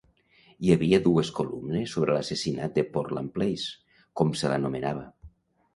Hi havia dues columnes sobre l'Assassinat de Portland Place, com se l'anomenava.